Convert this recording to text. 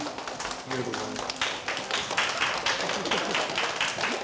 ありがとうございます。